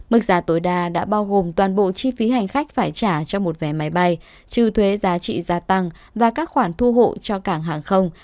mức giá tối đa đã bao gồm toàn bộ chi phí hành khách phải trả cho một vé máy bay trừ thuế giá trị gia tăng và các khoản thu hộ cho cảng hàng không